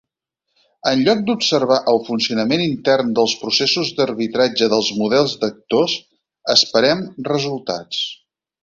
En lloc d'observar el funcionament intern dels processos d'arbitratge dels models d'actors, esperem resultats.